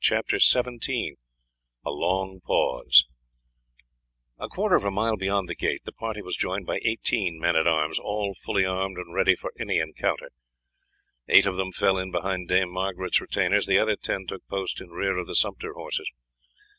CHAPTER XVII A LONG PAUSE A quarter of a mile beyond the gate the party was joined by eighteen men at arms, all fully armed and ready for any encounter; eight of them fell in behind Dame Margaret's retainers, the other ten took post in rear of the sumpter horses.